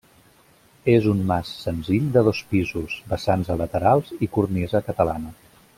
És un mas senzill de dos pisos, vessants a laterals i cornisa catalana.